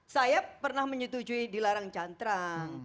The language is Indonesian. saya pernah menyetujui dilarang cantrang